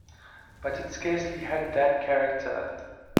But it scarcely had that character.